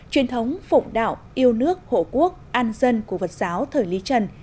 truyền thống phụng đạo yêu nước hộ quốc an dân của phật giáo thời lý trần